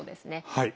はい。